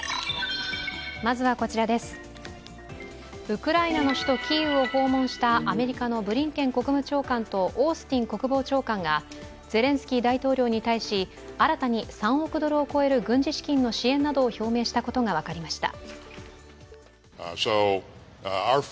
ウクライナの首都キーウを訪問したアメリカのブリンケン国務長官とオースティン国防長官がゼレンスキー大統領に対し、新たに３億ドルを超える軍事資金の支援などを表明したことが分かりました。